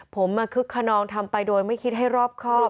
ผมมาคึกขนองทำไปโดยไม่คิดให้รอบครอบ